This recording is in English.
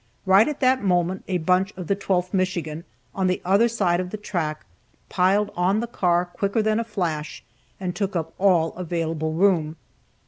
Right at that moment a bunch of the 12th Michigan on the other side of the track piled on the car quicker than a flash, and took up all available room.